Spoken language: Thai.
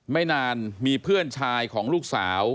ไม่นานมีเพื่อนชายของลูกสาว